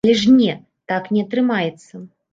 Але ж не, так не атрымаецца.